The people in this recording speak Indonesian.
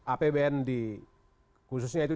apbn di khususnya itu